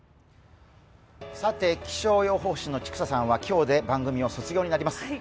気象予報士の千種さんは今日で番組を卒業します。